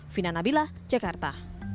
vina nabilah jakarta